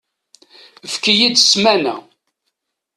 Efk-iyi-d ssmana.